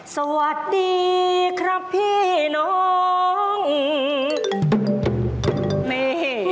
สวัสดีครับพี่น้องนี่